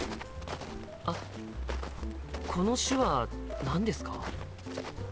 あっこの手話何ですか？